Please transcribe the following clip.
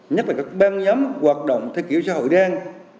nhất là các băng nhóm hoạt động theo kiểu xã hội đen